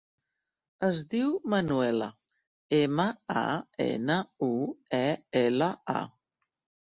Es diu Manuela: ema, a, ena, u, e, ela, a.